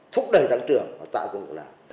thúc đẩy sản trường và tạo công cụ làm